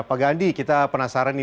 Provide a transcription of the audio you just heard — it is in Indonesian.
pak gandhi kita penasaran nih